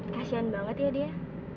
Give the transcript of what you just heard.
kasian banget ya dia